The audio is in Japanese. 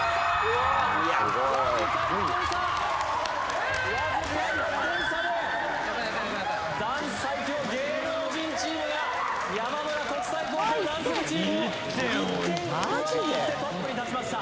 わずか１点差わずか１点差でダンス最強芸能人チームが山村国際高校ダンス部チームを１点上回ってトップに立ちました